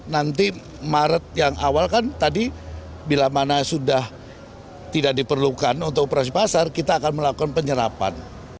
nanti maret yang awal kan tadi bila mana sudah tidak diperlukan untuk operasi pasar kita akan melakukan penyerapan